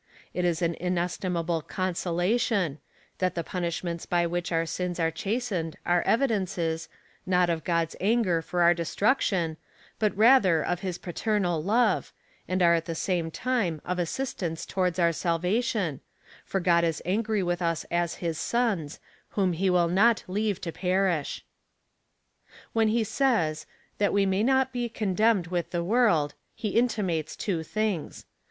It is an inestimable consolation^ — that the punishments by which our sins are chastened are evidences, not of God's anger for our destruc tion, but rather of his paternal love, and are at the same time of assistance towards our salvation, for God is angry with us as his sons, whom he will not leave to perish. When he says — that we may not he condemned with the world, he intimates two things.